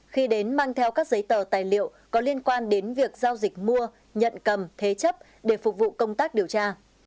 khi đến mang theo các giấy tờ tài liệu có liên quan đến việc giao dịch mua nhận cầm thế chấp để phục vụ công tác điều tra